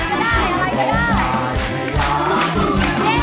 ได้ครับ